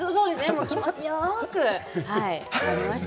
気持ちよくなりました。